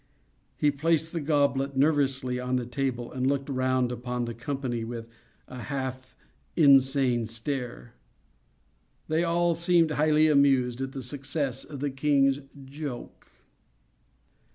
He placed the goblet nervously on the table, and looked round upon the company with a half insane stare. They all seemed highly amused at the success of the king's 'joke.